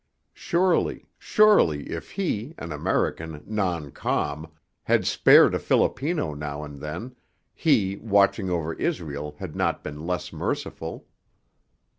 Surely, surely if he, an American "non com," had spared a Filipino now and then, He watching over Israel had not been less merciful.